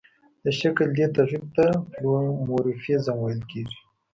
د شکل دې تغیر ته پلئومورفیزم ویل کیږي.